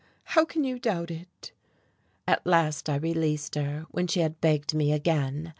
How can you doubt it?" At last I released her, when she had begged me again.